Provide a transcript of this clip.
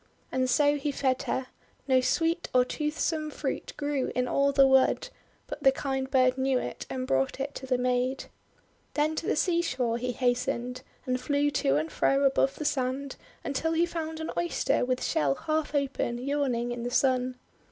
And so he fed her. No sweet or toothsome fruit grew in all the wood, but the kind bird knew it and brought it to the maid. Then to the seashore he hastened, and flew to and fro above the sand, until he found an Oyster with shell half open, yawning in the Sun.